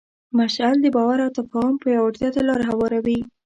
مشعل د باور او تفاهم پیاوړتیا ته لاره هواروي.